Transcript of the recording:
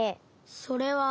それは。